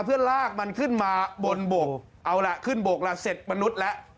เพื่อลากมันขึ้นมาบนบกเอาล่ะขึ้นบกละเสร็จมนุษย์แล้ว